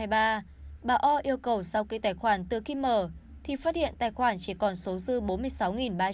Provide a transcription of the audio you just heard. bà o yêu cầu sau kê tài khoản từ khi mở thì phát hiện tài khoản chỉ còn số dư bốn mươi sáu ba trăm hai mươi tám đồng